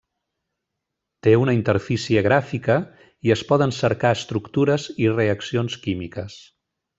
Té una interfície gràfica, i es poden cercar estructures i reaccions químiques.